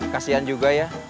kasian juga ya